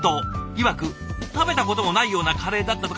いわく「食べたこともないようなカレー」だったとか。